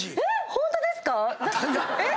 ホントですか？